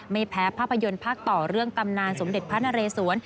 ไม่แพ้ภาพยนตร์ภาคต่อเรื่องตำนานสมเด็จพระนเรศวร